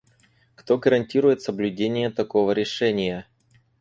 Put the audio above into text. Кто гарантирует соблюдение такого решения?